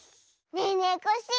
ねえねえコッシー